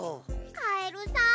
カエルさん